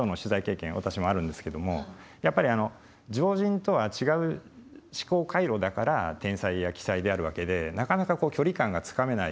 私もあるんですけどもやっぱり常人とは違う思考回路だから天才や鬼才であるわけでなかなかこう距離感がつかめない。